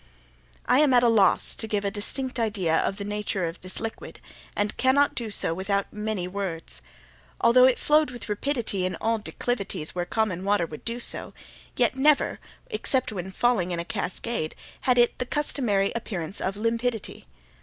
I am at a loss to give a distinct idea of the nature of this liquid, and cannot do so without many words. Although it flowed with rapidity in all declivities where common water would do so, yet never, except when falling in a cascade, had it the customary appearance of limpidity.